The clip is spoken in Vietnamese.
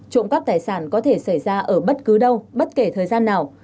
trộm cắp tài sản có thể xảy ra ở bất cứ đâu bất kể thời gian nào